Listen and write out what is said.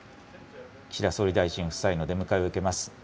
岸田総理大臣夫妻の出迎えを受けます。